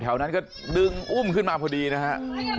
แถวนั้นก็ดึงอุ้มขึ้นมาพอดีนะฮะ